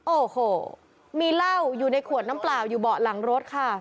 โอ้โหมีเหล้าอยู่ในขวดน้ำเปล่าอยู่เบาะหลังรถค่ะ